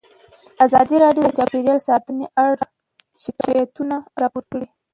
ازادي راډیو د چاپیریال ساتنه اړوند شکایتونه راپور کړي.